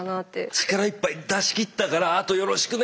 力いっぱい出しきったからあとよろしくね。